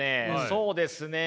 そうですね